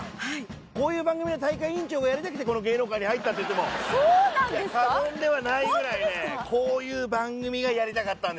こういう番組の大会委員長がやりたくてこの芸能界に入ったといっても過言ではないぐらいねこういう番組がやりたかったんですよ。